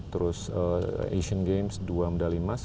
terus asian games dua medali emas